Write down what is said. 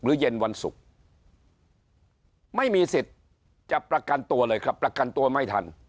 เย็นวันศุกร์ไม่มีสิทธิ์จะประกันตัวเลยครับประกันตัวไม่ทัน